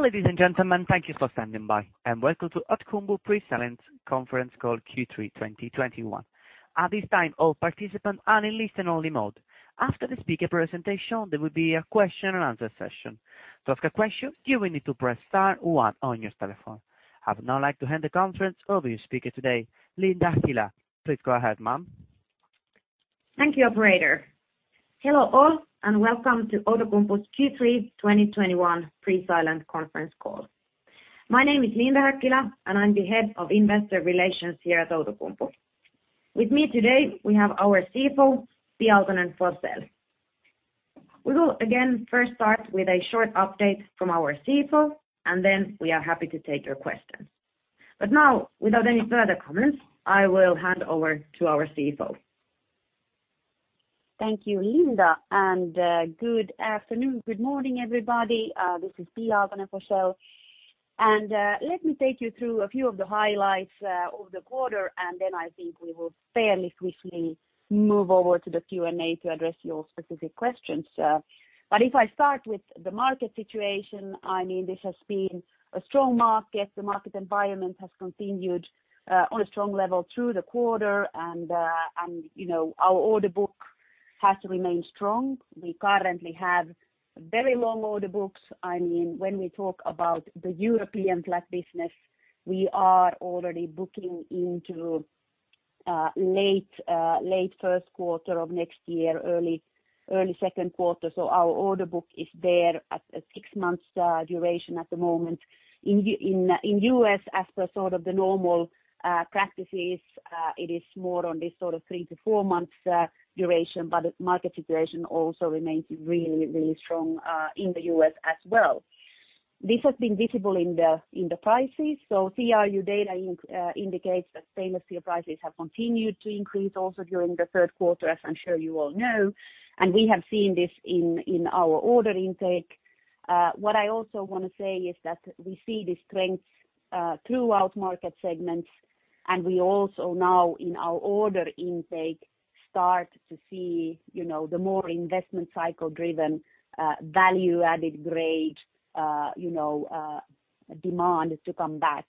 Ladies and gentlemen, thank you for standing by, and Welcome to Outokumpu Pre-Silent Conference Call Q3 2021. At this time, all participants are in listen only mode. After the speaker presentation, there will be a question and answer session. I would now like to hand the conference over to your speaker today, Linda Häkkilä. Please go ahead, ma'am. Thank you, operator. Hello, all, and welcome to Outokumpu's Q3 2021 Pre-Silent Call. My name is Linda Häkkilä, and I'm the head of investor relations here at Outokumpu. With me today, we have our CFO, Pia Aaltonen-Forsell. We will again first start with a short update from our CFO, and then we are happy to take your questions. Now, without any further comments, I will hand over to our CFO. Thank you, Linda. Good afternoon, good morning, everybody. This is Pia Aaltonen-Forsell. Let me take you through a few of the highlights of the quarter, then I think we will fairly swiftly move over to the Q&A to address your specific questions. If I start with the market situation, this has been a strong market. The market environment has continued on a strong level through the quarter and our order book has remained strong. We currently have very long order books. When we talk about the European flat business, we are already booking into late first quarter of next year, early second quarter. Our order book is there at a six months duration at the moment. In the U.S., as per sort of the normal practices, it is more on this sort of three to four months duration, the market situation also remains really, really strong in the U.S. as well. This has been visible in the prices. CRU data indicates that stainless steel prices have continued to increase also during the third quarter, as I'm sure you all know, we have seen this in our order intake. What I also want to say is that we see the strength throughout market segments, we also now in our order intake, start to see the more investment cycle-driven, value-added grade demand to come back.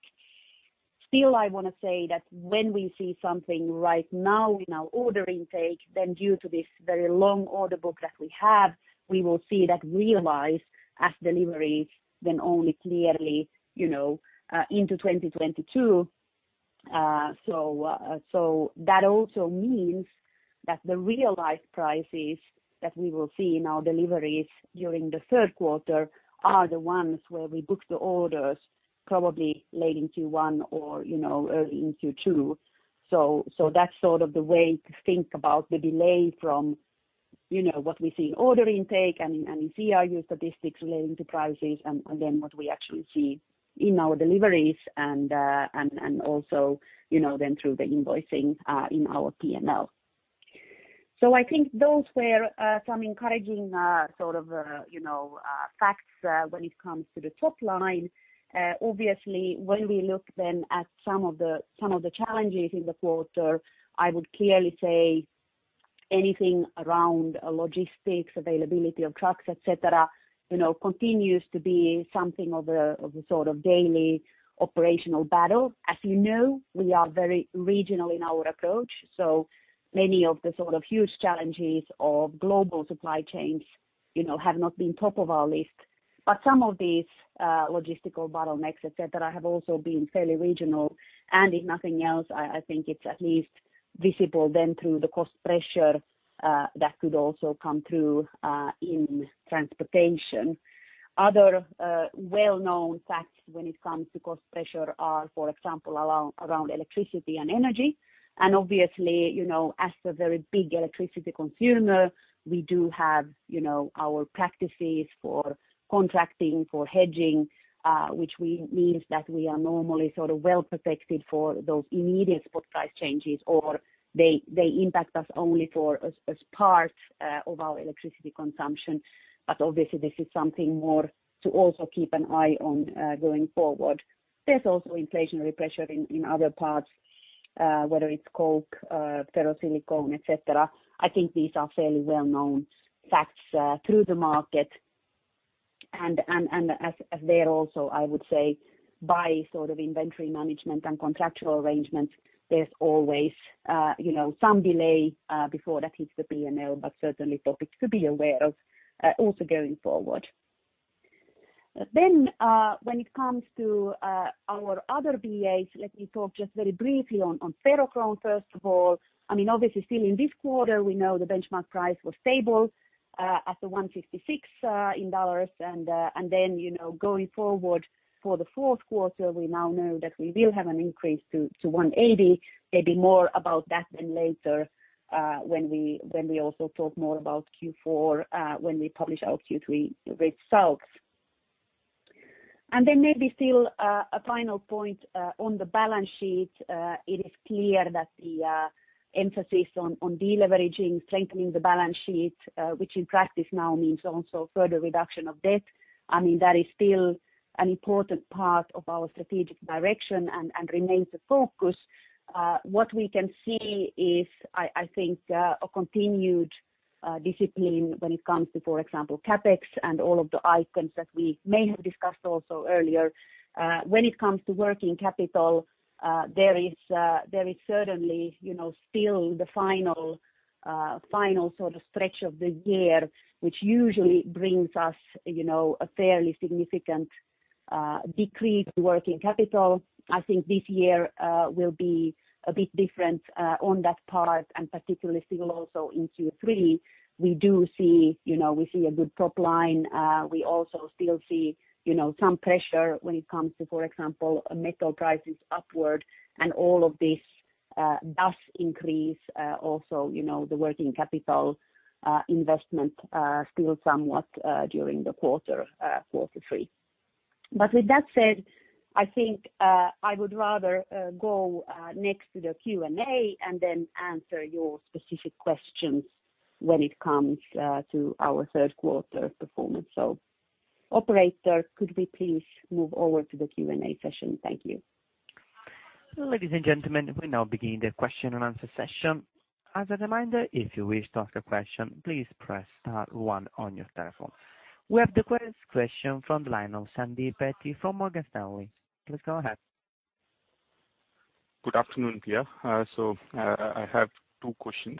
Still, I want to say that when we see something right now in our order intake, due to this very long order book that we have, we will see that realized as deliveries then only clearly into 2022. That also means that the realized prices that we will see in our deliveries during the third quarter are the ones where we book the orders probably late in Q1 or early in Q2. That's sort of the way to think about the delay from what we see in order intake and in CRU statistics relating to prices and then what we actually see in our deliveries and also then through the invoicing in our P&L. I think those were some encouraging sort of facts when it comes to the top line. Obviously, when we look then at some of the challenges in the quarter, I would clearly say anything around logistics, availability of trucks, et cetera, continues to be something of a sort of daily operational battle. As you know, we are very regional in our approach, many of the sort of huge challenges of global supply chains have not been top of our list. Some of these logistical bottlenecks, et cetera, have also been fairly regional. If nothing else, I think it's at least visible then through the cost pressure that could also come through in transportation. Other well-known facts when it comes to cost pressure are, for example, around electricity and energy. Obviously, as a very big electricity consumer, we do have our practices for contracting, for hedging, which means that we are normally sort of well-protected for those immediate spot price changes, or they impact us only for as part of our electricity consumption. Obviously, this is something more to also keep an eye on going forward. There's also inflationary pressure in other parts, whether it's coke, ferrosilicon, et cetera. I think these are fairly well-known facts through the market. As there also, I would say, by sort of inventory management and contractual arrangements, there's always some delay before that hits the P&L, but certainly topics to be aware of also going forward. When it comes to our other BAs, let me talk just very briefly on ferrochrome, first of all. Obviously, still in this quarter, we know the benchmark price was stable at $156. Going forward for the fourth quarter, we now know that we will have an increase to $180. Maybe more about that then later when we also talk more about Q4, when we publish our Q3 results. Maybe still a final point on the balance sheet. It is clear that the emphasis on deleveraging, strengthening the balance sheet, which in practice now means also further reduction of debt, that is still an important part of our strategic direction and remains a focus. What we can see is, I think, a continued discipline when it comes to, for example, CapEx and all of the items that we may have discussed also earlier. When it comes to working capital, there is certainly still the final stretch of the year, which usually brings us a fairly significant decrease working capital. I think this year will be a bit different on that part, and particularly still also in Q3, we do see a good top line. We also still see some pressure when it comes to, for example, metal prices upward and all of this does increase, also, the working capital investment still somewhat, during the quarter three. With that said, I think, I would rather go next to the Q&A and then answer your specific questions when it comes to our third quarter performance. Operator, could we please move over to the Q&A session? Thank you. Ladies and gentlemen, we now begin the question and answer session. As a reminder, if you wish to ask a question, please press star one on your telephone. We have the first question from the line of Sandeep Deshpande from Morgan Stanley. Please go ahead. Good afternoon, Pia. I have two questions.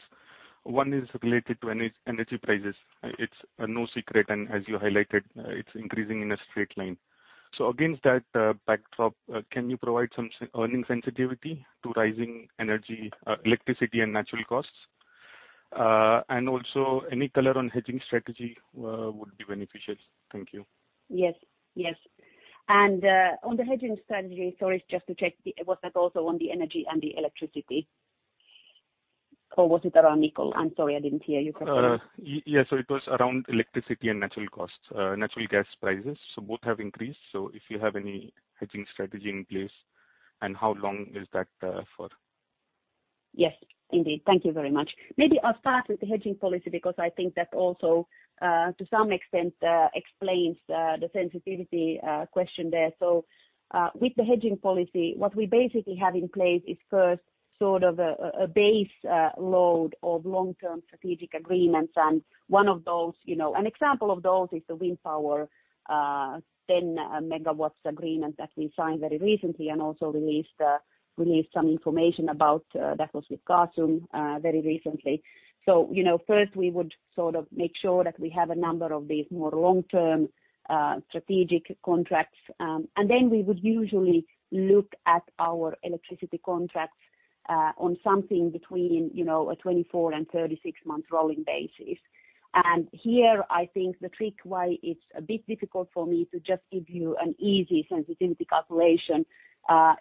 One is related to energy prices. It's no secret and as you highlighted, it's increasing in a straight line. Against that backdrop, can you provide some earning sensitivity to rising energy, electricity, and natural costs? Also, any color on hedging strategy would be beneficial. Thank you. Yes. On the hedging strategy, sorry, just to check, was that also on the energy and the electricity? Was it around nickel? I'm sorry, I didn't hear you correctly. Yeah, it was around electricity and natural costs, natural gas prices. Both have increased. If you have any hedging strategy in place, and how long is that for? Yes, indeed. Thank you very much. Maybe I'll start with the hedging policy because I think that also, to some extent, explains the sensitivity question there. With the hedging policy, what we basically have in place is first sort of a base load of long-term strategic agreements. An example of those is the wind power 10 MW agreement that we signed very recently and also released some information about, that was with Gasum, very recently. First we would sort of make sure that we have a number of these more long-term strategic contracts. Then we would usually look at our electricity contracts, on something between a 24 and 36-month rolling basis. Here, I think the trick why it's a bit difficult for me to just give you an easy sensitivity calculation,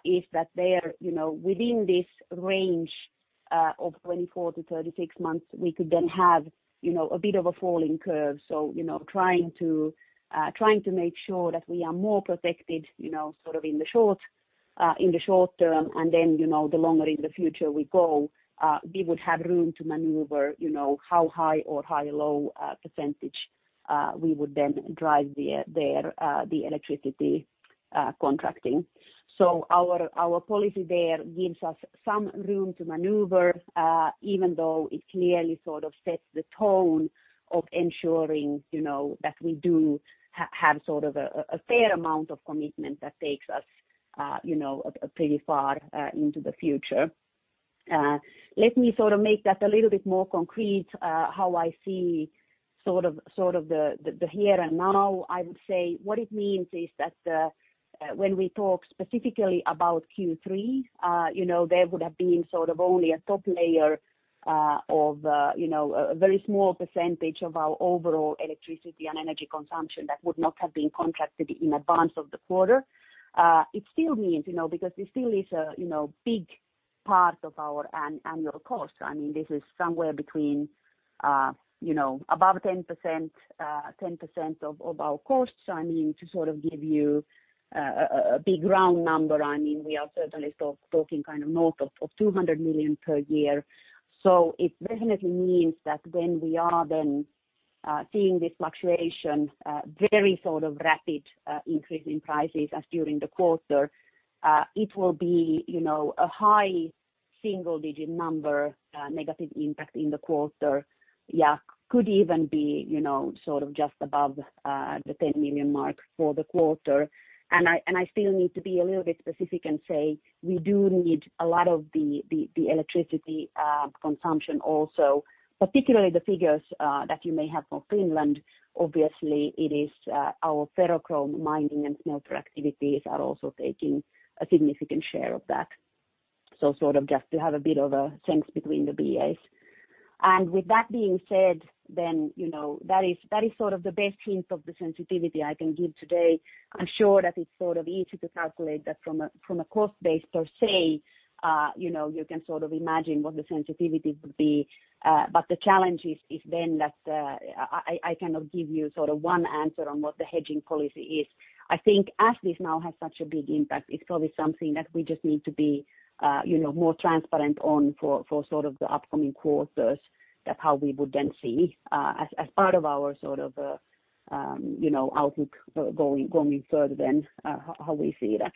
is that there, within this range of 24-36 months, we could then have a bit of a falling curve. Trying to make sure that we are more protected in the short term. The longer in the future we go, we would have room to maneuver how high or how low a percentage, we would then drive the electricity contracting. Our policy there gives us some room to maneuver, even though it clearly sort of sets the tone of ensuring that we do have sort of a fair amount of commitment that takes us pretty far into the future. Let me sort of make that a little bit more concrete, how I see sort of the here and now. I would say what it means is that, when we talk specifically about Q3, there would have been sort of only a top layer of a very small percentage of our overall electricity and energy consumption that would not have been contracted in advance of the quarter. It still means, because it still is a big part of our annual cost. I mean, this is somewhere between above 10% of our costs. I mean, to sort of give you a big round number, I mean, we are certainly still talking north of 200 million per year. It definitely means that when we are then seeing this fluctuation, very sort of rapid increase in prices as during the quarter, it will be a high single-digit number, negative impact in the quarter. Could even be sort of just above the 10 million mark for the quarter. I still need to be a little bit specific and say we do need a lot of the electricity consumption also, particularly the figures that you may have for Finland. Obviously, it is our ferrochrome mining and smelter activities are also taking a significant share of that. Just to have a bit of a sense between the BAs. With that being said, then that is sort of the best hint of the sensitivity I can give today. I'm sure that it's sort of easy to calculate that from a cost base per se. You can sort of imagine what the sensitivity would be. The challenge is then that, I cannot give you sort of one answer on what the hedging policy is. I think as this now has such a big impact, it's probably something that we just need to be more transparent on for sort of the upcoming quarters, that how we would then see, as part of our sort of outlook going further then, how we see that.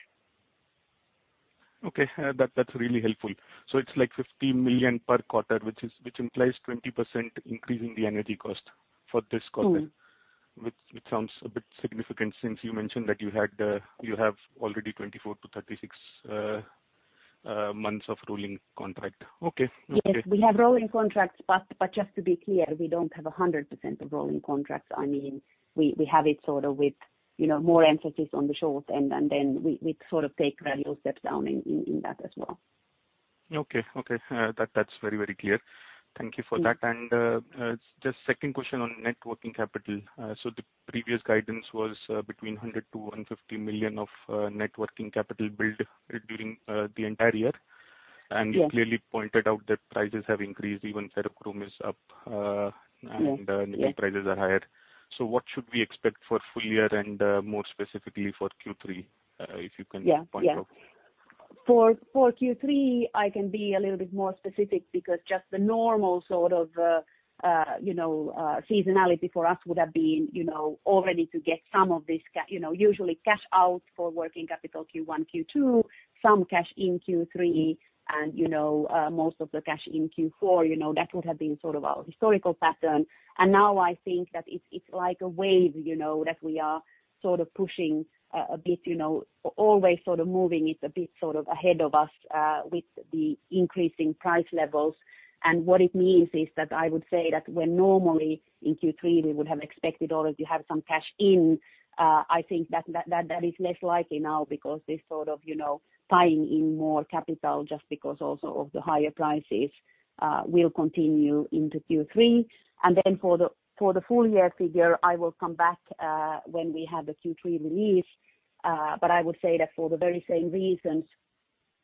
Okay, that's really helpful. It's like 50 million per quarter, which implies 20% increase in the energy cost for this quarter. True. Which sounds a bit significant since you mentioned that you have already 24-36 months of rolling contract. Okay. We have rolling contracts, but just to be clear, we don't have 100% of rolling contracts. We have it sort of with more emphasis on the short end, and then we sort of take gradual steps down in that as well. Okay. That's very clear. Thank you for that. Just second question on net working capital. The previous guidance was between 100 million-150 million of net working capital build during the entire year. Yeah. You clearly pointed out that prices have increased, even ferrochrome is up. Yeah And nickel prices are higher. What should we expect for full year and more specifically for Q3, if you can point out? Yeah. For Q3, I can be a little bit more specific because just the normal sort of seasonality for us would have been, already to get some of this, usually cash out for working capital Q1, Q2, some cash in Q3, and most of the cash in Q4. That would have been sort of our historical pattern. Now I think that it's like a wave, that we are sort of pushing a bit, always sort of moving it a bit sort of ahead of us with the increasing price levels. What it means is that I would say that where normally in Q3 we would have expected already to have some cash in, I think that is less likely now because this sort of tying in more capital just because also of the higher prices will continue into Q3. For the full year figure, I will come back when we have the Q3 release. I would say that for the very same reasons,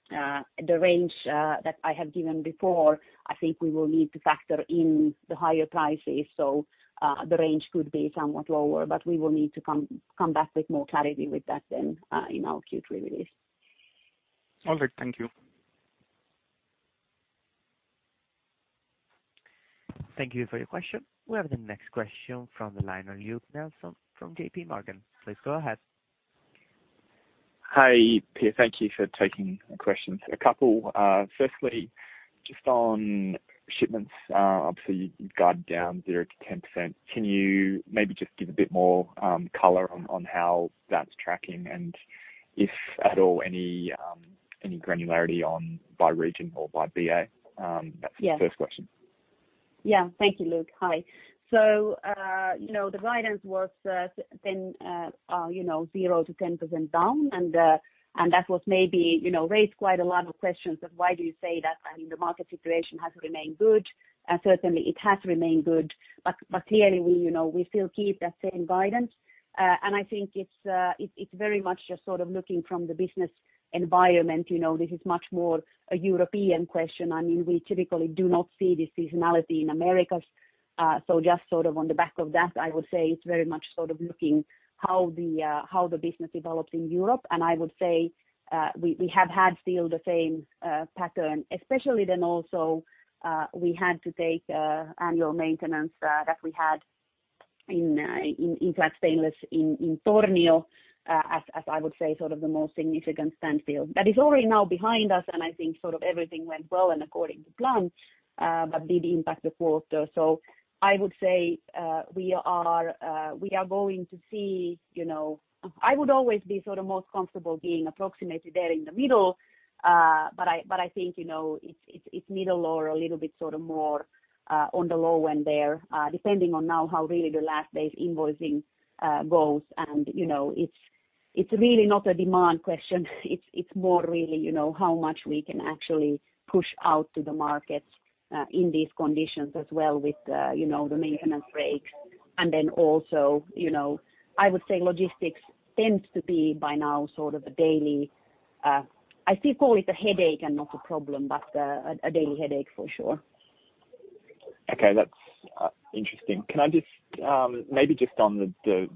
the range that I have given before, I think we will need to factor in the higher prices. The range could be somewhat lower, but we will need to come back with more clarity with that then, in our Q3 release. All good. Thank you. Thank you for your question. We have the next question from the line of Luke Nelson from J.P. Morgan. Please go ahead. Hi, Pia. Thank you for taking the questions. A couple. Firstly, just on shipments, obviously you guided down 0%-10%. Can you maybe just give a bit more color on how that's tracking and if at all, any granularity by region or by BA? That's the first question. Thank you, Luke. Hi. The guidance was 0%-10% down, that maybe raised quite a lot of questions of why do you say that? I mean, the market situation has remained good, certainly it has remained good, clearly, we still keep that same guidance. I think it's very much just sort of looking from the business environment. This is much more a European question. I mean, we typically do not see this seasonality in Americas. Just sort of on the back of that, I would say it's very much sort of looking how the business develops in Europe. I would say, we have had still the same pattern, especially then also, we had to take annual maintenance that we had in flat stainless in Tornio, as I would say sort of the most significant tenfold. That is already now behind us, and I think sort of everything went well and according to plan, but did impact the quarter. I would say, we are going to see I would always be sort of most comfortable being approximately there in the middle. I think, it's middle or a little bit sort of more on the low end there, depending on now how really the last day's invoicing goes. It's really not a demand question. It's more really, how much we can actually push out to the markets, in these conditions as well with the maintenance breaks. Also, I would say logistics tends to be by now sort of a daily, I still call it a headache and not a problem, but a daily headache for sure. Okay. That's interesting. Can I just, maybe just on the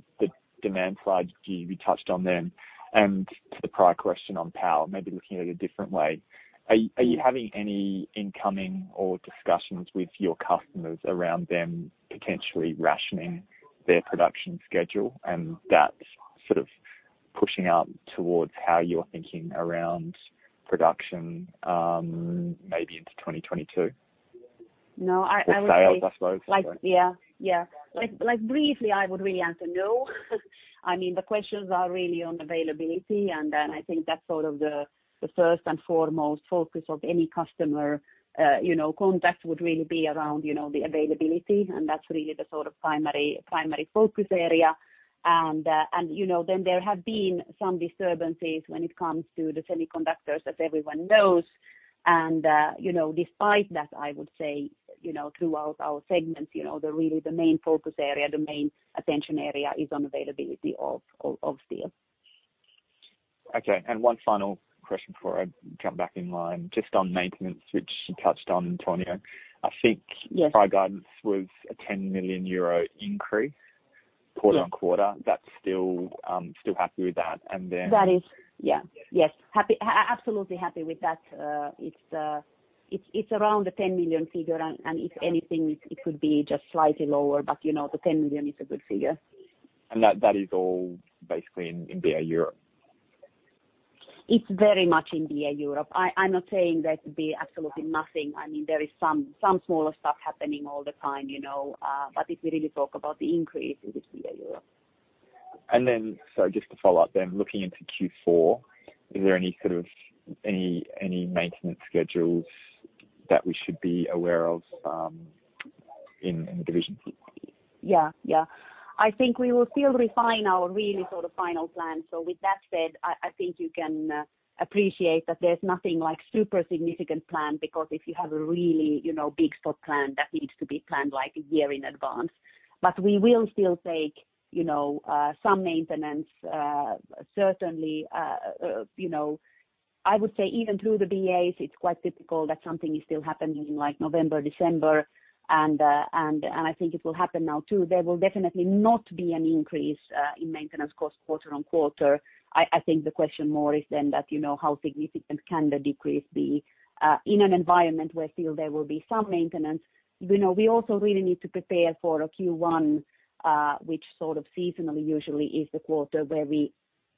demand side, you touched on them, and to the prior question on power, maybe looking at it a different way. Are you having any incoming or discussions with your customers around them potentially rationing their production schedule, and that sort of pushing out towards how you're thinking around production, maybe into 2022? No. Sales, I suppose. Yeah. Briefly, I would really answer no. I mean, the questions are really on availability, and then I think that's sort of the first and foremost focus of any customer context would really be around the availability, and that's really the sort of primary focus area. Then there have been some disturbances when it comes to the semiconductors, as everyone knows. Despite that, I would say, throughout our segments, the really the main focus area, the main attention area is on availability of steel. Okay. One final question before I jump back in line. Just on maintenance, which you touched on, Tornio. Yes Prior guidance was a 10 million euro increase quarter-on-quarter. Yeah. That's still happy with that. That is, yeah. Yes. Absolutely happy with that. It's around the 10 million figure, and if anything, it could be just slightly lower, but the 10 million is a good figure. That is all basically in BA Europe? It's very much in BA Europe. I'm not saying there could be absolutely nothing. There is some smaller stuff happening all the time, but if we really talk about the increase, it is BA Europe. Just to follow up then, looking into Q4, is there any maintenance schedules that we should be aware of in the division? We will still refine our really final plan. With that said, I think you can appreciate that there's nothing super significant planned, because if you have a really big stock plan, that needs to be planned like a year in advance. We will still take some maintenance, certainly. I would say even through the BAs, it's quite typical that something is still happening like November, December, and I think it will happen now, too. There will definitely not be an increase in maintenance cost quarter on quarter. The question more is then that how significant can the decrease be, in an environment where still there will be some maintenance. We also really need to prepare for a Q1, which seasonally usually is the quarter where we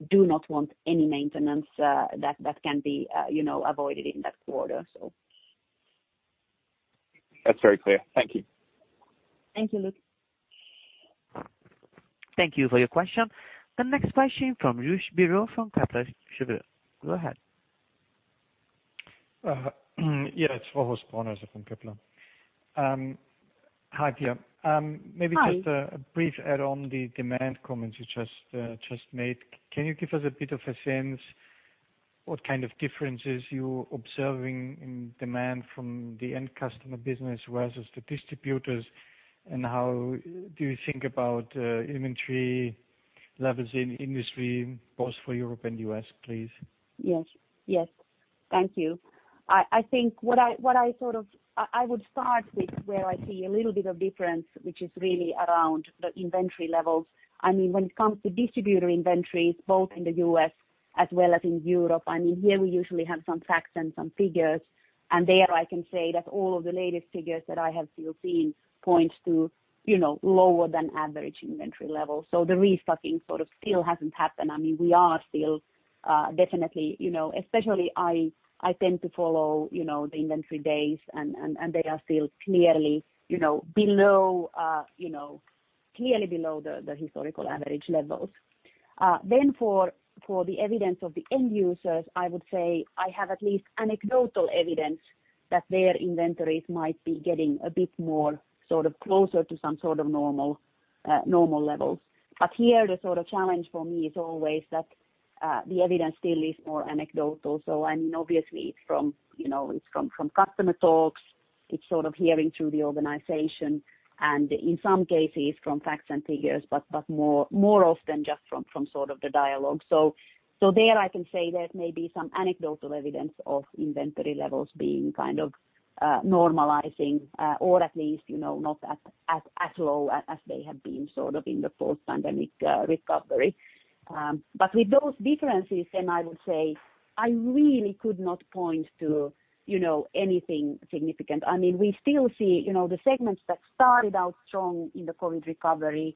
do not want any maintenance that can be avoided in that quarter. That's very clear. Thank you. Thank you, Luke. Thank you for your question. The next question from Tristan Gresser from Kepler. Go ahead. Yeah, it's Tristan Gresser from Kepler. Hi, Pia. Hi. Maybe just a brief add on the demand comments you just made. Can you give us a bit of a sense what kind of differences you're observing in demand from the end customer business versus the distributors? How do you think about inventory levels in industry, both for Europe and U.S., please? Yes. Thank you. I would start with where I see a little bit of difference, which is really around the inventory levels. When it comes to distributor inventories, both in the U.S. as well as in Europe, here we usually have some facts and some figures, and there I can say that all of the latest figures that I have still seen points to lower than average inventory levels. The restocking still hasn't happened. Especially, I tend to follow the inventory days, and they are still clearly below the historical average levels. For the evidence of the end users, I would say I have at least anecdotal evidence that their inventories might be getting a bit more closer to some sort of normal levels. Here, the challenge for me is always that the evidence still is more anecdotal. Obviously it's from customer talks, it's hearing through the organization, and in some cases, from facts and figures, but more often just from the dialogue. There I can say there's maybe some anecdotal evidence of inventory levels being normalizing, or at least, not as low as they have been in the post-pandemic recovery. With those differences I would say, I really could not point to anything significant. We still see the segments that started out strong in the COVID recovery,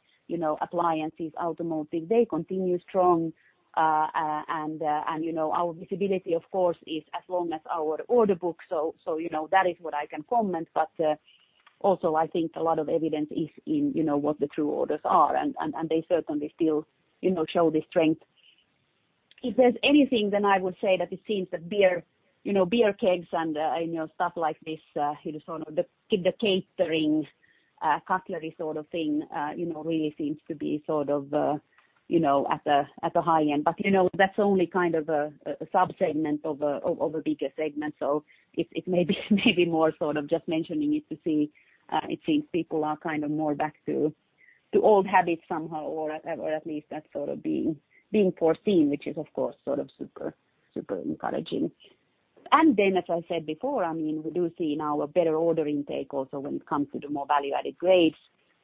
appliances, automotive, they continue strong. Our visibility, of course, is as long as our order book. That is what I can comment. Also I think a lot of evidence is in what the true orders are, and they certainly still show the strength. If there's anything, I would say that it seems that beer kegs and stuff like this, the catering cutlery sort of thing really seems to be at the high end. That's only a sub-segment of a bigger segment. It may be more just mentioning it to see it seems people are more back to old habits somehow, or at least that's being foreseen, which is of course super encouraging. As I said before, we do see now a better order intake also when it comes to the more value-added grades.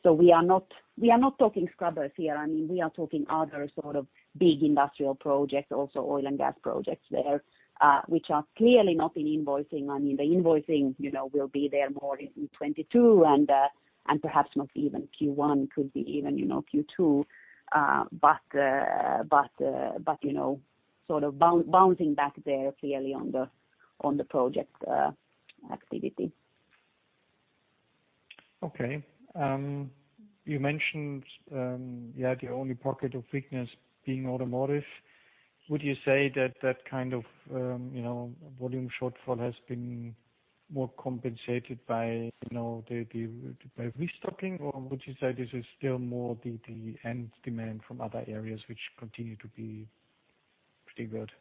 We are not talking scrubbers here. We are talking other sort of big industrial projects, also oil and gas projects there, which are clearly not in invoicing. The invoicing will be there more in 2022, and perhaps not even Q1, could be even Q2. Bouncing back there clearly on the project activity. Okay. You mentioned you had your only pocket of weakness being automotive. Would you say that that kind of volume shortfall has been more compensated by the restocking, or would you say this is still more the end demand from other areas which continue to be pretty good?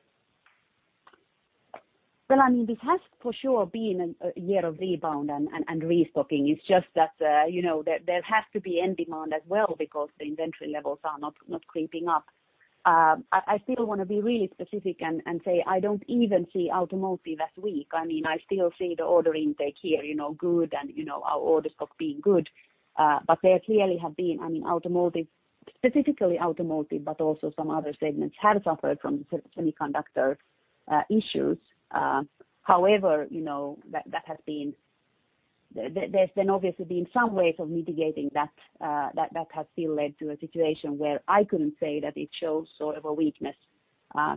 This has for sure been a year of rebound and restocking. It's just that there has to be end demand as well because the inventory levels are not creeping up. I still want to be really specific and say I don't even see automotive as weak. I still see the order intake here good and our order stock being good. There clearly have been, specifically automotive, but also some other segments have suffered from semiconductor issues. There's then obviously been some ways of mitigating that has still led to a situation where I couldn't say that it shows sort of a weakness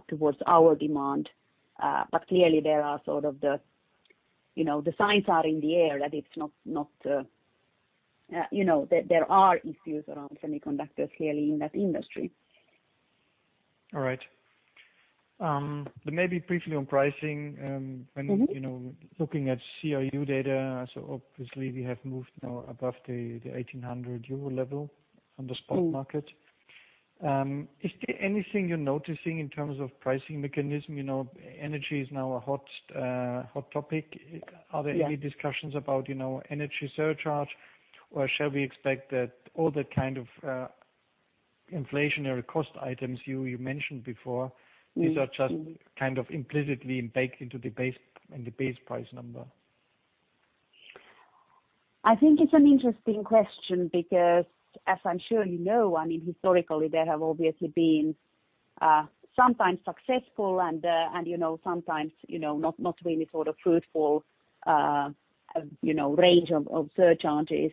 towards our demand. Clearly, there are the signs are in the air that there are issues around semiconductors clearly in that industry. All right. Maybe briefly on pricing. When looking at CRU data, obviously we have moved now above the 1,800 euro level on the spot market. Is there anything you're noticing in terms of pricing mechanism? Energy is now a hot topic. Yeah. Are there any discussions about energy surcharge, or shall we expect that all that kind of inflationary cost items you mentioned before? These are just kind of implicitly baked into the base price number? I think it's an interesting question because, as I'm sure you know, I mean, historically, there have obviously been sometimes successful and sometimes not really fruitful range of surcharges.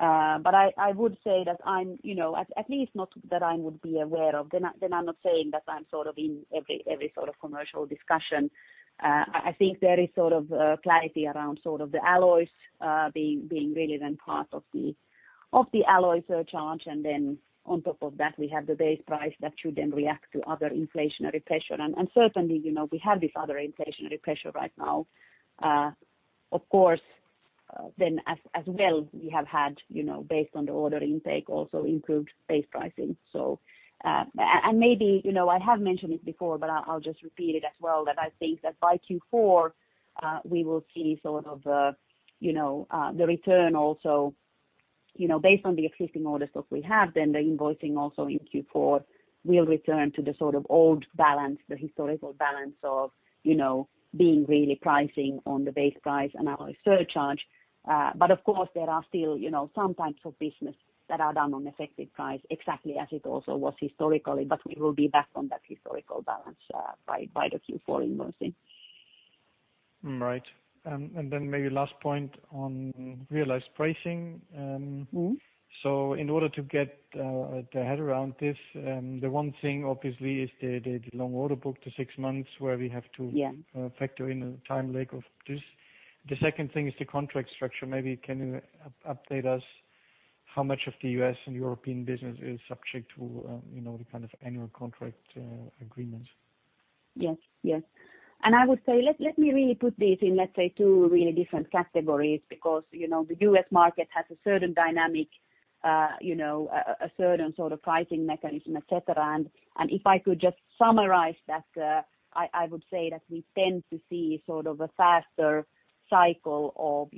I would say that at least not that I would be aware of. I'm not saying that I'm in every sort of commercial discussion. I think there is clarity around the alloys being really then part of the alloy surcharge. On top of that, we have the base price that should then react to other inflationary pressure. Certainly, we have this other inflationary pressure right now. Of course, then as well, we have had, based on the order intake, also improved base pricing. Maybe, I have mentioned it before, but I'll just repeat it as well, that I think that by Q4, we will see the return also based on the existing order stock we have, then the invoicing also in Q4 will return to the old balance, the historical balance of being really pricing on the base price and alloy surcharge. Of course, there are still some types of business that are done on effective price exactly as it also was historically, but we will be back on that historical balance by the Q4 invoicing. Right. Maybe last point on realized pricing. In order to get the head around this, the one thing obviously is the long order book to six months. Yeah factor in a time lag of this. The second thing is the contract structure. Maybe can you update us how much of the U.S. and European business is subject to the kind of annual contract agreements? Yes. I would say, let me really put this in, let's say, two really different categories because the U.S. market has a certain dynamic, a certain sort of pricing mechanism, et cetera. If I could just summarize that, I would say that we tend to see sort of a faster cycle of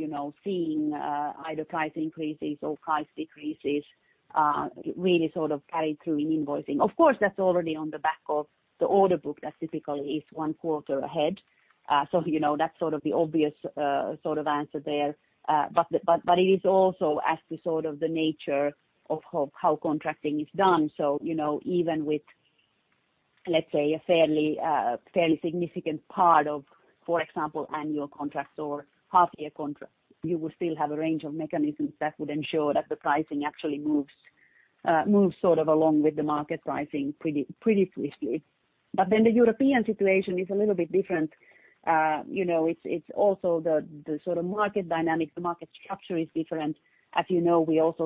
seeing either price increases or price decreases really sort of carried through in invoicing. Of course, that's already on the back of the order book that typically is one quarter ahead. That's sort of the obvious answer there. It is also as to sort of the nature of how contracting is done. Even with, let's say, a fairly significant part of, for example, annual contracts or half-year contracts, you will still have a range of mechanisms that would ensure that the pricing actually moves sort of along with the market pricing pretty swiftly. The European situation is a little bit different. It's also the sort of market dynamic, the market structure is different. As you know, we also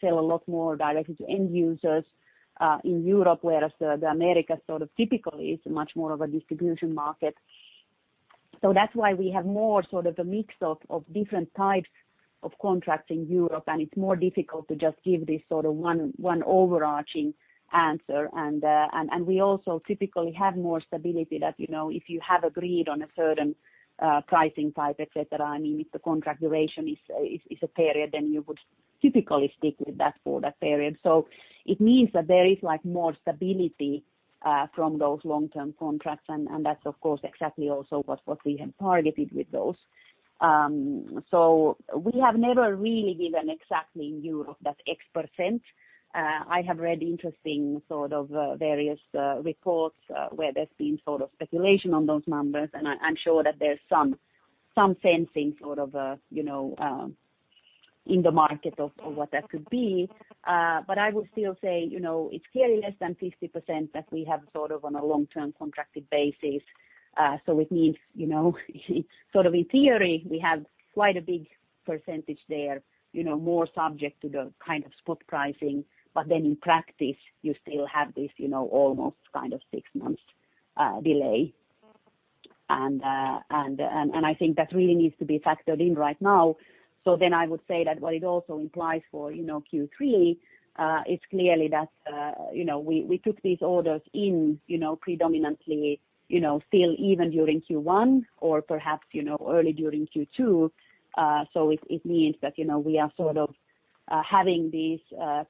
sell a lot more directly to end users, in Europe, whereas the America sort of typically is much more of a distribution market. That's why we have more sort of a mix of different types of contracts in Europe, and it's more difficult to just give this sort of one overarching answer. We also typically have more stability that if you have agreed on a certain pricing type, et cetera, I mean, if the contract duration is a period, then you would typically stick with that for that period. It means that there is more stability from those long-term contracts, and that's of course, exactly also what we have targeted with those. We have never really given exactly in Europe that X percent. I have read interesting sort of various reports, where there's been sort of speculation on those numbers, and I'm sure that there's some sensing in the market of what that could be. I would still say, it's clearly less than 50% that we have sort of on a long-term contracted basis. It means, sort of in theory, we have quite a big percentage there, more subject to the kind of spot pricing. In practice, you still have this almost kind of six months delay. I think that really needs to be factored in right now. I would say that what it also implies for Q3 is clearly that we took these orders in predominantly, still even during Q1 or perhaps early during Q2. It means that we are sort of having these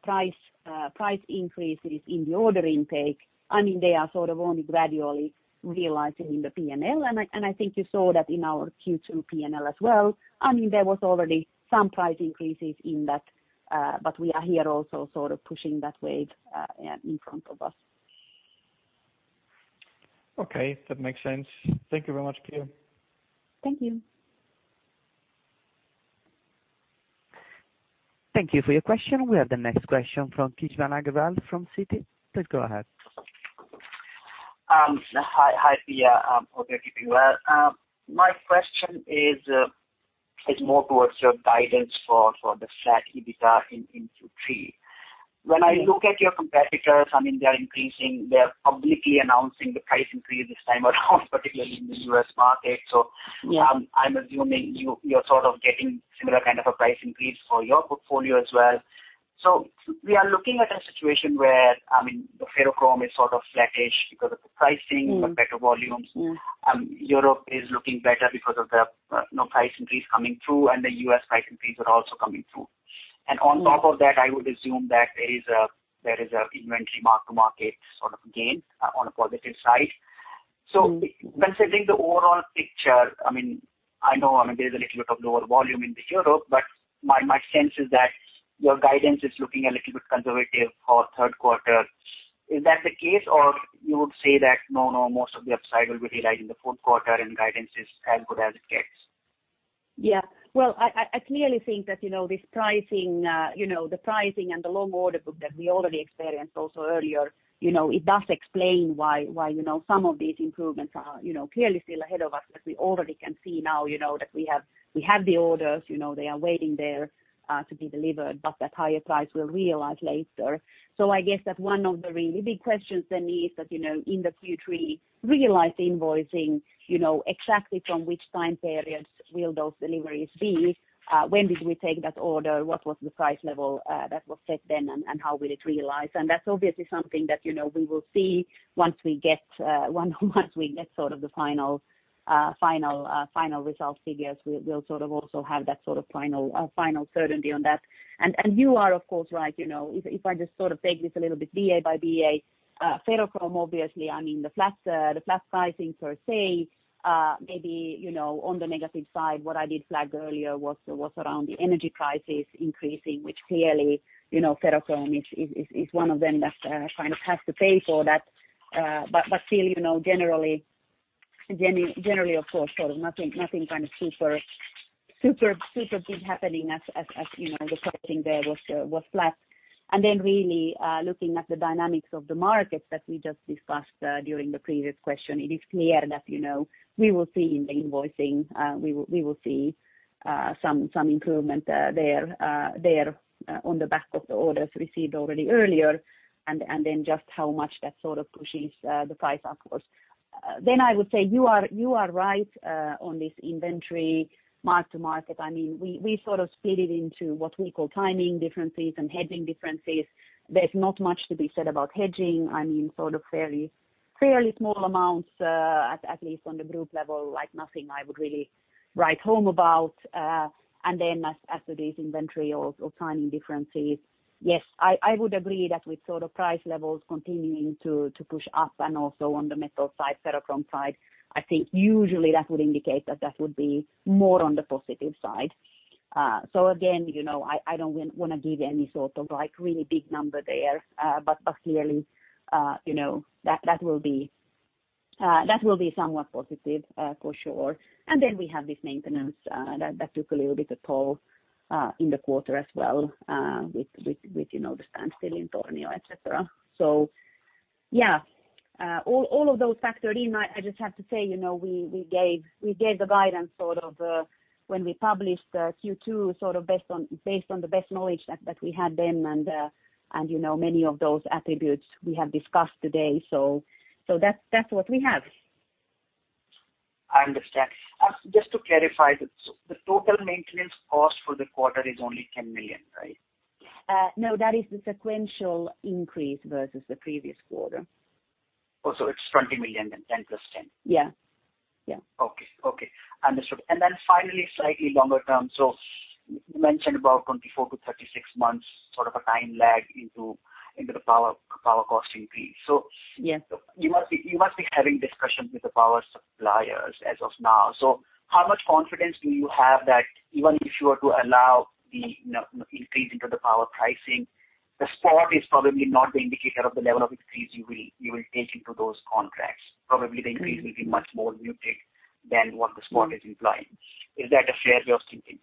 price increases in the order intake. I mean, they are sort of only gradually realizing in the P&L, and I think you saw that in our Q2 P&L as well. I mean, there was already some price increases in that, but we are here also sort of pushing that wave in front of us. Okay, that makes sense. Thank you very much, Pia. Thank you. Thank you for your question. We have the next question from Krishan Agarwal from Citi. Please go ahead. Hi, Pia. Hope you're keeping well. My question is more towards your guidance for the flat EBITDA in Q3. When I look at your competitors, they're publicly announcing the price increase this time around, particularly in the U.S. market. Yeah. I'm assuming you're sort of getting similar kind of a price increase for your portfolio as well. We are looking at a situation where the ferrochrome is sort of flattish because of the pricing, but better volumes. Europe is looking better because of the price increase coming through, and the U.S. price increase are also coming through. On top of that, I would assume that there is an inventory mark-to-market sort of gain on a positive side. When considering the overall picture, I know there's a little bit of lower volume in the Europe, but my sense is that your guidance is looking a little bit conservative for third quarter. Is that the case, or you would say that, no, most of the upside will be realized in the fourth quarter and guidance is as good as it gets? Well, I clearly think that the pricing and the long order book that we already experienced also earlier, it does explain why some of these improvements are clearly still ahead of us. We already can see now that we have the orders, they are waiting there to be delivered, but that higher price will realize later. I guess that one of the really big questions then is that, in the Q3 realized invoicing, exactly from which time periods will those deliveries be? When did we take that order? What was the price level that was set then, and how will it realize? That's obviously something that we will see once we get sort of the final result figures. We'll sort of also have that final certainty on that. You are, of course, right. If I just take this a little bit BA by BA, ferrochrome, obviously, the flat pricing per se. Maybe, on the negative side, what I did flag earlier was around the energy prices increasing, which clearly, ferrochrome is one of them that kind of has to pay for that. Still, generally, of course, nothing kind of super good happening as the pricing there was flat. Really, looking at the dynamics of the markets that we just discussed during the previous question, it is clear that we will see in the invoicing, we will see some improvement there on the back of the orders received already earlier, and then just how much that sort of pushes the price upwards. I would say you are right on this inventory mark to market. We sort of split it into what we call timing differences and hedging differences. There's not much to be said about hedging. Sort of fairly small amounts, at least on the group level, like nothing I would really write home about. As to these inventory or timing differences, yes, I would agree that with sort of price levels continuing to push up and also on the metal side, ferrochrome side, I think usually that would indicate that that would be more on the positive side. Again, I don't want to give any sort of really big number there. Clearly, that will be somewhat positive, for sure. We have this maintenance that took a little bit a toll in the quarter as well, with the standstill in Tornio, et cetera. Yeah. All of those factored in, I just have to say, we gave the guidance sort of when we published Q2, based on the best knowledge that we had then, and many of those attributes we have discussed today. That's what we have. I understand. Just to clarify, the total maintenance cost for the quarter is only 10 million, right? No, that is the sequential increase versus the previous quarter. It's 20 million, then 10 plus 10. Yeah. Okay. Understood. Finally, slightly longer term, you mentioned about 24-36 months sort of a time lag into the power cost increase. Yeah. You must be having discussions with the power suppliers as of now. How much confidence do you have that even if you are to allow the increase into the power pricing, the spot is probably not the indicator of the level of increase you will take into those contracts. Probably the increase will be much more muted than what the spot is implying. Is that a fair way of thinking?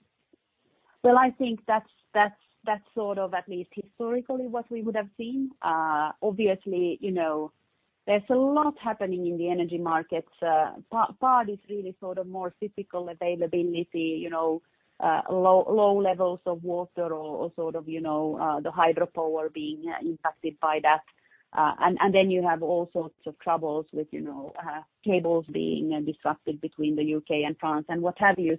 Well, I think that's sort of, at least historically, what we would have seen. Obviously, there's a lot happening in the energy markets. Part is really sort of more physical availability, low levels of water or sort of the hydropower being impacted by that. You have all sorts of troubles with cables being disrupted between the U.K. and France and what have you.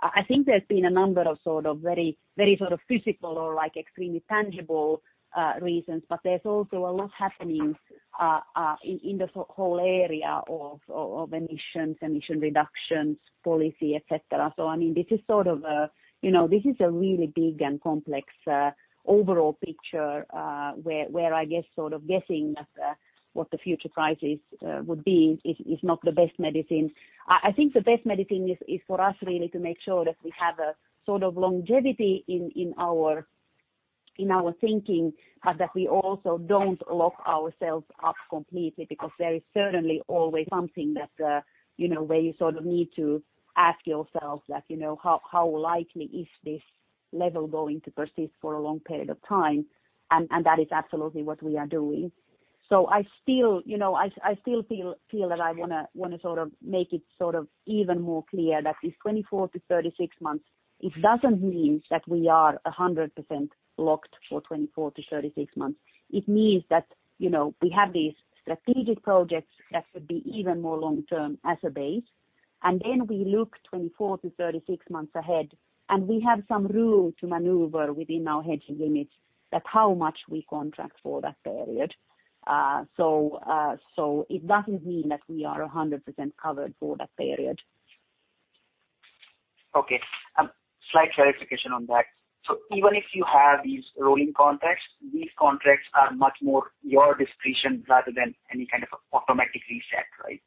I think there's been a number of sort of very physical or extremely tangible reasons, but there's also a lot happening in the whole area of emissions, emission reductions, policy, et cetera. This is a really big and complex overall picture, where I guess sort of guessing at what the future prices would be is not the best medicine. I think the best medicine is for us really to make sure that we have a sort of longevity in our thinking, but that we also don't lock ourselves up completely because there is certainly always something that, where you sort of need to ask yourselves how likely is this level going to persist for a long period of time, and that is absolutely what we are doing. I still feel that I want to sort of make it even more clear that this 24-36 months, it doesn't mean that we are 100% locked for 24-36 months. It means that we have these strategic projects that could be even more long-term as a base. Then we look 24-36 months ahead, and we have some room to maneuver within our hedge limits that how much we contract for that period. It doesn't mean that we are 100% covered for that period. Okay. Slight clarification on that. Even if you have these rolling contracts, these contracts are much more your discretion rather than any kind of automatic reset, right?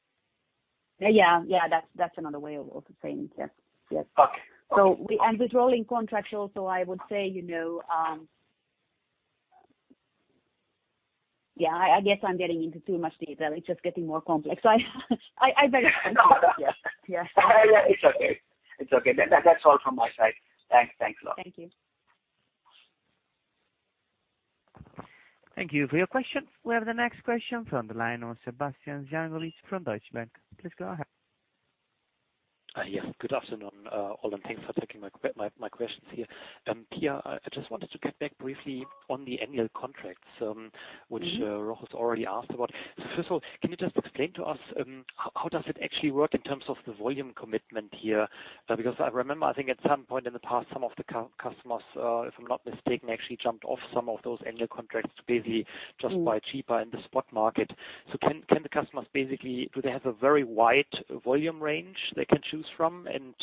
Yeah. That's another way of also saying it. Yes. Okay. With rolling contracts also I would say Yeah, I guess I'm getting into too much detail. It's just getting more complex. I better stop. Yes. It's okay. That's all from my side. Thanks a lot. Thank you. Thank you for your question. We have the next question from the line of Bastian Synagowitz from Deutsche Bank. Please go ahead. Yeah. Good afternoon, all, and thanks for taking my questions here. Pia, I just wanted to get back briefly on the annual contracts, which Roch has already asked about. First of all, can you just explain to us, how does it actually work in terms of the volume commitment here? Because I remember, I think at some point in the past, some of the customers, if I'm not mistaken, actually jumped off some of those annual contracts to basically just buy cheaper in the spot market. Can the customers basically, do they have a very wide volume range they can choose from, and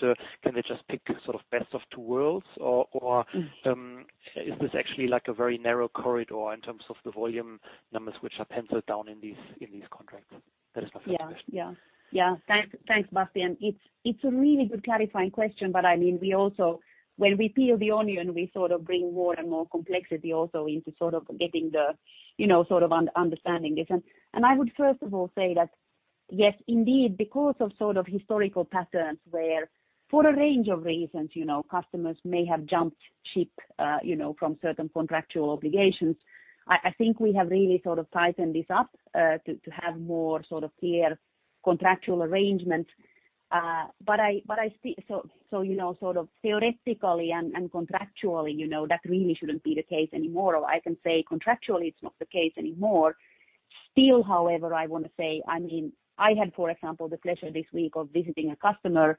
can they just pick sort of best of two worlds or is this actually like a very narrow corridor in terms of the volume numbers which are penciled down in these contracts? That is my first question. Yeah. Thanks, Bastian. It's a really good clarifying question, when we peel the onion, we sort of bring more and more complexity also into sort of getting the understanding this. I would first of all say that, yes, indeed, because of sort of historical patterns where for a range of reasons, customers may have jumped ship from certain contractual obligations. I think we have really sort of tightened this up, to have more sort of clear contractual arrangements. Theoretically and contractually, that really shouldn't be the case anymore, or I can say contractually it's not the case anymore. Still, however, I want to say, I had, for example, the pleasure this week of visiting a customer,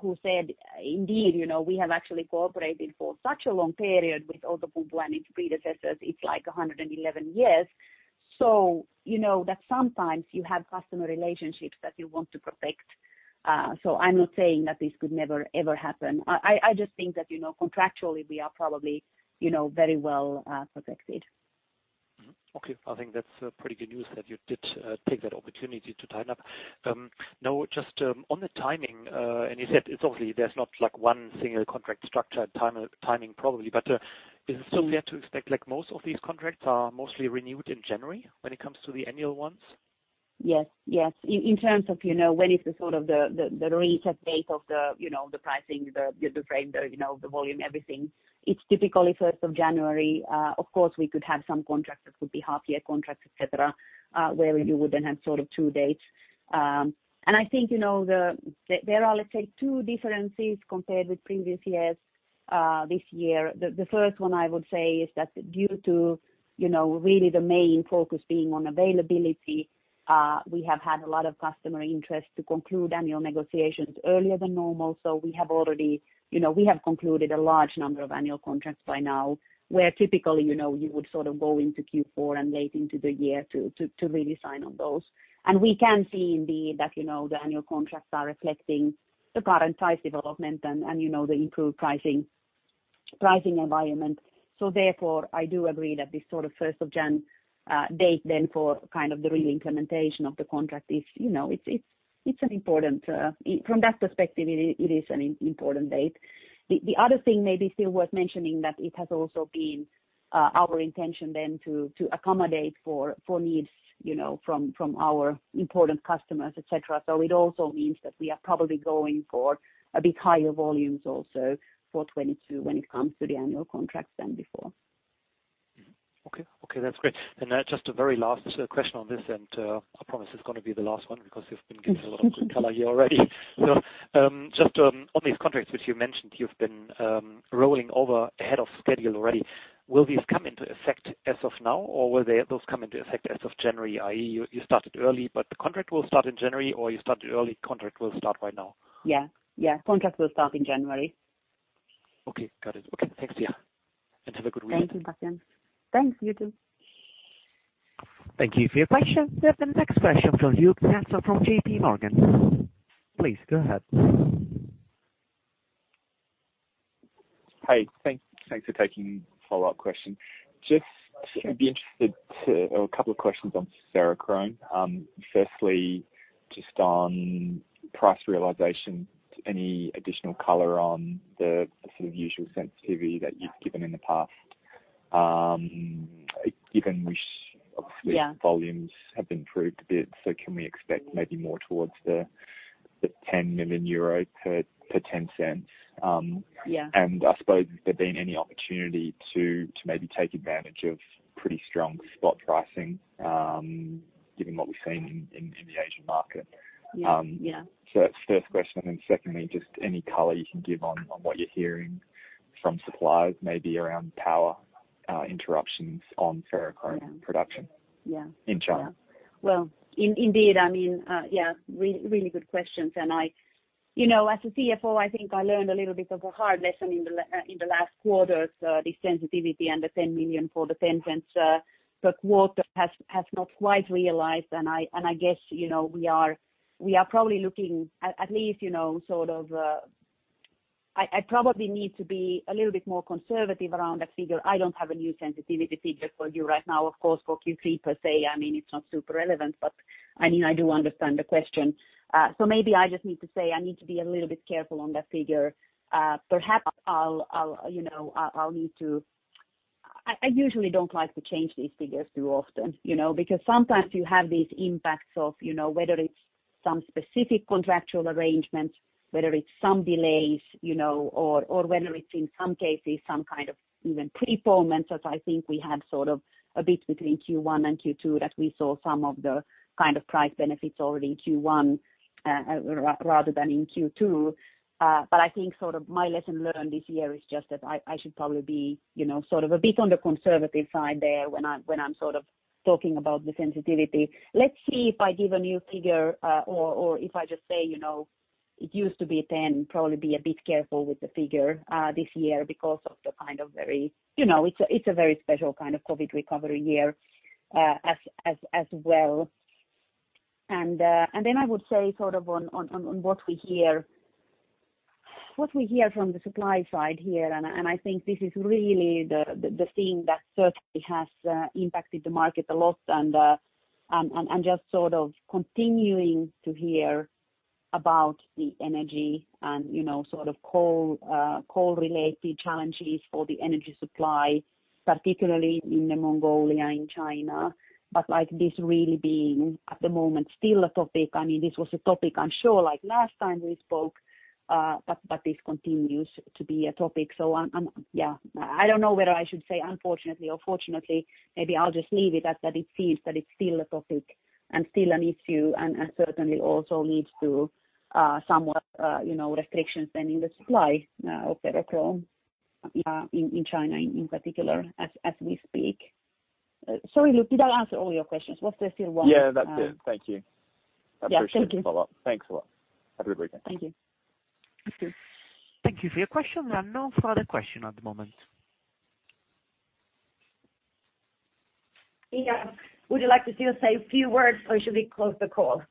who said, indeed, we have actually cooperated for such a long period with Outokumpu and its predecessors. It's like 111 years. That sometimes you have customer relationships that you want to protect. I'm not saying that this could never, ever happen. I just think that contractually we are probably very well protected. Okay. I think that's pretty good news that you did take that opportunity to tighten up. Just on the timing, and you said it's obviously there's not like one single contract structure timing probably, but is it still fair to expect like most of these contracts are mostly renewed in January when it comes to the annual ones? Yes. In terms of when is the sort of the reset date of the pricing, the frame, the volume, everything. It's typically 1st of January. Of course, we could have some contracts that could be half year contracts, et cetera, where you would then have sort of two dates. I think there are, let's say, two differences compared with previous years, this year. The first one I would say is that due to really the main focus being on availability, we have had a lot of customer interest to conclude annual negotiations earlier than normal. We have concluded a large number of annual contracts by now, where typically, you would sort of go into Q4 and late into the year to really sign on those. We can see indeed that the annual contracts are reflecting the current price development and the improved pricing environment. Therefore, I do agree that this sort of 1st of January date then for kind of the re-implementation of the contract, from that perspective, it is an important date. The other thing maybe still worth mentioning that it has also been our intention then to accommodate for needs from our important customers, et cetera. It also means that we are probably going for a bit higher volumes also for 2022 when it comes to the annual contracts than before. Okay. That's great. Just a very last question on this, I promise it's going to be the last one because you've been getting a lot of color here already. Just on these contracts which you mentioned you've been rolling over ahead of schedule already. Will these come into effect as of now, or will those come into effect as of January, i.e., you started early, but the contract will start in January, or you started early, contract will start right now? Yeah. Contract will start in January. Okay. Got it. Okay, thanks, Pia. Have a good weekend. Thank you, Sebastian. Thanks. You too. Thank you for your question. We have the next question from Luke Nelson from J.P. Morgan. Please go ahead. Hey, thanks for taking follow-up question. I'd be interested to, a couple of questions on ferrochrome. Firstly, just on price realization, any additional color on the usual sensitivity that you've given in the past, given which obviously. Yeah volumes have improved a bit, can we expect maybe more towards the 10 million euro per 0.10? Yeah. I suppose there being any opportunity to maybe take advantage of pretty strong spot pricing, given what we've seen in the Asian market. Yeah. That's first question, and secondly, just any color you can give on what you're hearing from suppliers, maybe around power interruptions on ferrochrome. Yeah production- Yeah in China. Well, indeed. Yeah, really good questions. As a CFO, I think I learned a little bit of a hard lesson in the last quarter, the sensitivity and the 10 million for the EUR 0.10 per quarter has not quite realized. I guess we are probably looking at least, I probably need to be a little bit more conservative around that figure. I don't have a new sensitivity figure for you right now, of course, for Q3 per se. It's not super relevant, but I do understand the question. Maybe I just need to say I need to be a little bit careful on that figure. I usually don't like to change these figures too often because sometimes you have these impacts of whether it's some specific contractual arrangements, whether it's some delays, or whether it's, in some cases, some kind of even prepayments, as I think we had sort of a bit between Q1 and Q2 that we saw some of the price benefits already in Q1 rather than in Q2. I think my lesson learned this year is just that I should probably be a bit on the conservative side there when I'm talking about the sensitivity. Let's see if I give a new figure, or if I just say it used to be 10, probably be a bit careful with the figure this year because it's a very special kind of COVID recovery year, as well. I would say sort of on what we hear from the supply side here, and I think this is really the thing that certainly has impacted the market a lot, and just continuing to hear about the energy and coal-related challenges for the energy supply, particularly in Mongolia, in China, but this really being, at the moment, still a topic. This was a topic, I'm sure, last time we spoke, but this continues to be a topic. I don't know whether I should say unfortunately or fortunately, maybe I'll just leave it at that it seems that it's still a topic and still an issue, and certainly also leads to somewhat restrictions then in the supply of ferrochrome in China in particular as we speak. Sorry, Luke, did I answer all your questions? Was there still one? Yeah, that's it. Thank you. Yeah. Thank you. I appreciate the follow-up. Thanks a lot. Have a great weekend. Thank you. You too. Thank you for your question. There are no further questions at the moment. Pia, would you like to still say a few words or should we close the call?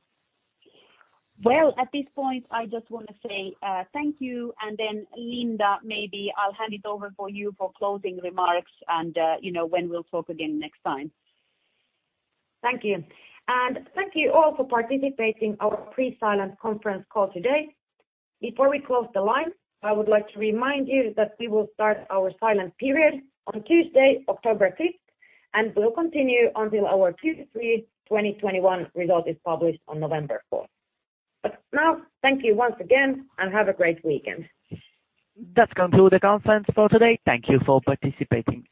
At this point, I just want to say thank you, and then Linda, maybe I'll hand it over for you for closing remarks and when we'll talk again next time. Thank you. Thank you all for participating our Pre-Silent conference call today. Before we close the line, I would like to remind you that we will start our silent period on Tuesday, October 5th, and will continue until our Q3 2021 result is published on November 4th. For now, thank you once again and have a great weekend. That conclude the conference for today. Thank you for participating.